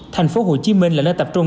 thành phố hồ chí minh là nơi tập trung